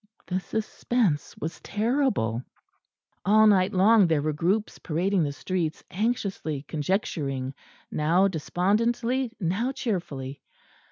The suspense was terrible; all night long there were groups parading the streets, anxiously conjecturing, now despondently, now cheerfully.